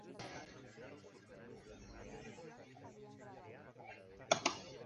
Luego se retiró a su cuarto y se pegó un tiro.